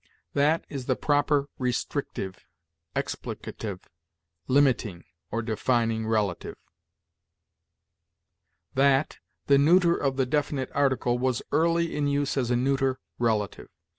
"'THAT' is the proper restrictive, explicative, limiting, or defining relative. "'That,' the neuter of the definite article, was early in use as a neuter relative.